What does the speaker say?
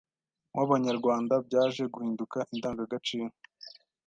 w’Abanyarwanda byaje guhinduka indangagaciro